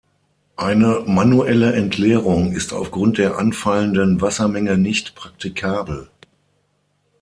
Eine manuelle Entleerung ist aufgrund der anfallenden Wassermenge nicht praktikabel.